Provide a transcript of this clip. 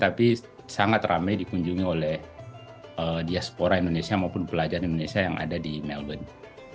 tapi sangat ramai dikunjungi oleh diaspora indonesia maupun pelajar indonesia yang ada di melbourne